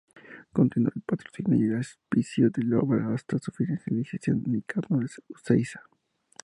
Continuó el patrocinio y auspicio de la obra hasta su finalización, Nicanor Ezeiza.